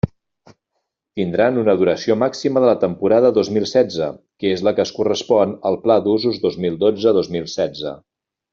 Tindran una duració màxima de la temporada dos mil setze, que és la que es correspon al Pla d'Usos dos mil dotze dos mil setze.